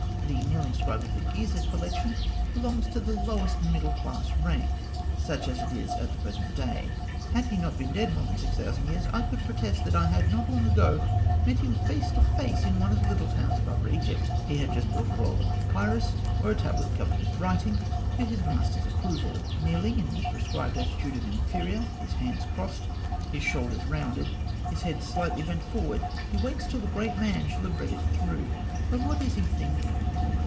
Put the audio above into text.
The "Kneeling Scribe" of the Gizeh collection (fig. 193) belongs to the lowest middle class rank, such as it is at the present day. Had he not been dead more than six thousand years, I could protest that I had not long ago met him face to face, in one of the little towns of Upper Egypt. He has just brought a roll of papyrus, or a tablet covered with writing, for his master's approval. Kneeling in the prescribed attitude of an inferior, his hands crossed, his shoulders rounded, his head slightly bent forward, he waits till the great man shall have read it through. Of what is he thinking?